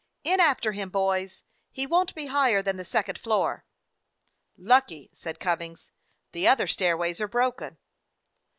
"In after him, boys. He won't be higher than the second floor." "Lucky," said Cummings. "The other stairways are broken."